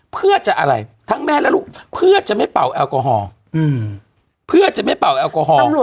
เพื่อจะอะไรทั้งแม่และลูกเพื่อจะไม่เป่าแอลกอฮอล์เพื่อจะไม่เป่าแอลกอฮอล์